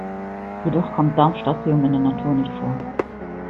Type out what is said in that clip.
Jedoch kommt Darmstadtium in der Natur nicht vor.